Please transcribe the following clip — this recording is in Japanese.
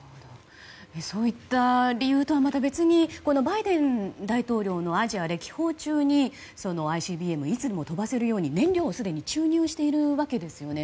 そうした理由とはまた別にバイデン大統領のアジア歴訪中にＩＣＢＭいつでも飛ばせるように燃料をすでに注入しているわけですよね。